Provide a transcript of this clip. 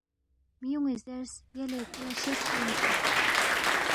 میُون٘ی زیرس، یلے کھو لہ شیسپی اِنسُوک